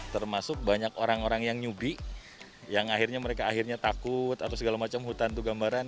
termasuk banyak orang orang yang nyubi yang akhirnya mereka akhirnya takut atau segala macam hutan itu gambaran